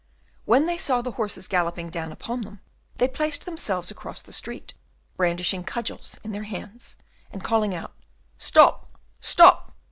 When they saw the horses galloping down upon them, they placed themselves across the street, brandishing cudgels in their hands, and calling out, "Stop! stop!"